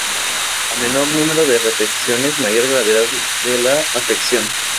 A menor número de repeticiones, mayor gravedad de la afección.